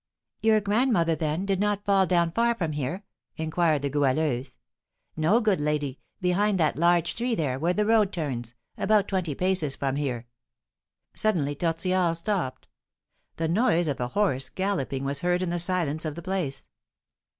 "Your grandmother, then, did not fall down far off from here?" inquired the Goualeuse. "No, good lady; behind that large tree there, where the road turns, about twenty paces from here." Suddenly Tortillard stopped. The noise of a horse galloping was heard in the silence of the place.